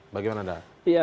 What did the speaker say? bagaimana anda menirainya